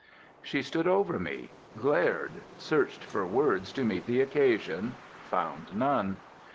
She stood over me; glared; searched for words to meet the occasion; found none.